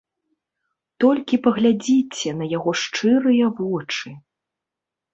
Толькі паглядзіце на яго шчырыя вочы.